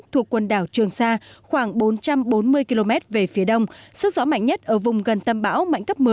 thuộc quần đảo trường sa khoảng bốn trăm bốn mươi km về phía đông sức gió mạnh nhất ở vùng gần tâm bão mạnh cấp một mươi